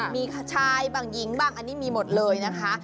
มีชายบ้างหญิงบ้างอันนี้มีหมดเลยนะคะ